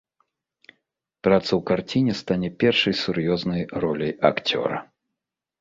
Праца ў карціне стане першай сур'ёзнай роляй акцёра.